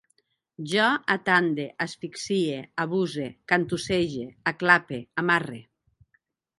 Jo atande, asfixie, abuse, cantussege, aclape, amarre